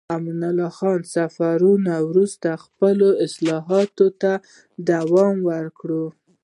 امان الله خان د سفرونو وروسته خپلو اصلاحاتو ته دوام ورکړ.